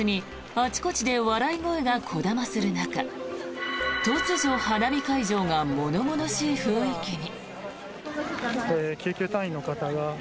あちこちで笑い声がこだまする中突如、花見会場が物々しい雰囲気に。